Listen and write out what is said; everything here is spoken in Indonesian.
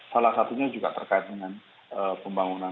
salah satunya juga terkait dengan pembangunan